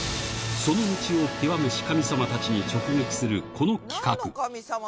その道を究めし神様たちに直撃するこの企画。